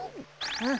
うん？